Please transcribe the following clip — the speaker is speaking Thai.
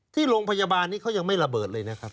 ที่โรงพยาบาลนี้เขายังไม่ระเบิดเลยนะครับ